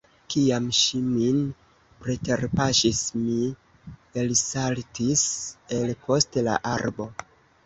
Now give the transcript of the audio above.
Kiam ŝi min preterpaŝis mi elsaltis el post la arbo.